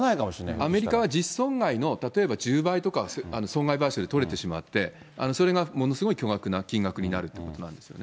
アメリカは実損害の例えば１０倍とか、損害賠償で取れてしまって、それがものすごい巨額な金額になるっていうことになるんですね。